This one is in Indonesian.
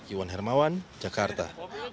iwan hermawan jakarta